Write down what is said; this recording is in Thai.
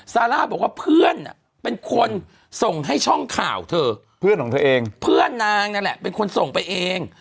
ซาร่าบอกว่าเพื่อนเป็นคนส่งให้ช่องข่าวเธอเพื่อนของเธอเองเพื่อนนางนั่นแหละเป็นคนส่งไปเอง